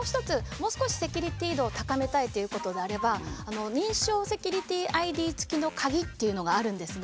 もう少しセキュリティー度を高めたいということであれば認証セキュリティーＩＤ付きの鍵というのがあるんですね。